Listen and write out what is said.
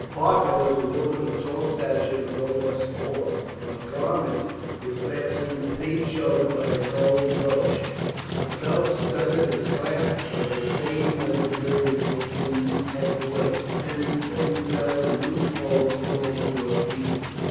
Parta was a woman of tall stature and of robust form. Her garment was fastened at each shoulder by a gold brooch. A belt studded and clasped by the same metal girded it in at the waist, and it then fell in loose folds almost to her feet.